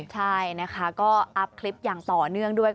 ใช่นะคะก็อัพคลิปอย่างต่อเนื่องด้วย